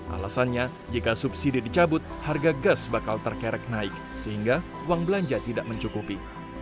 alasannya jika subsidi dicabut harga gas bakal terkerek naik sehingga uang belanja tidak mencukupi